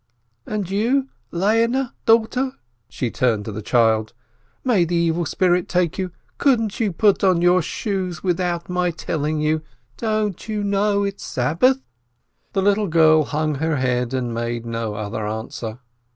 "And you, Leahnyu, daughter," and she turned to the child, "may the evil spirit take you ! Couldn't you put on your shoes without my telling you? Don't you know it's Sabbafh ?" SABBATH 185 The little girl hung her head, and made no other answer.